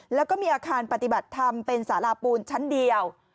แล้วก็มีอาคารปฏิบัติธรรมเป็นสาราปูนชั้นเดียว